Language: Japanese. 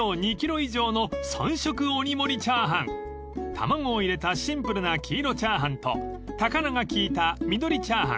［卵を入れたシンプルな黄色チャーハンと高菜が効いた緑チャーハン］